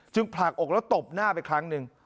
ผลักอกแล้วตบหน้าไปครั้งหนึ่ง